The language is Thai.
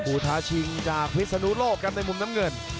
ท้าชิงจากพิศนุโลกครับในมุมน้ำเงิน